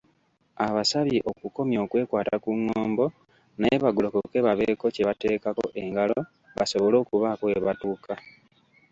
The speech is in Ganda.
Abasabye okukomya okwekwata ku ng'ombo naye bagolokoke babeeko kye bateekako engalo basobole okubaako webatuuka.